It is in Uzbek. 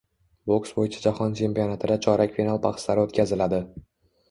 Boks bo‘yicha Jahon chempionatida chorak final bahslari o‘tkaziladi